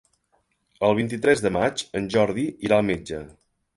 El vint-i-tres de maig en Jordi irà al metge.